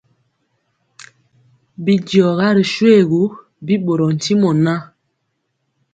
Bidiɔga ri shoégu, bi ɓorɔɔ ntimɔ ŋan.